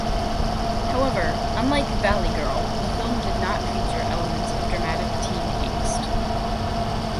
However, unlike "Valley Girl", the film did not feature elements of dramatic teen angst.